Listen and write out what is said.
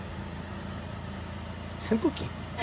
扇風機？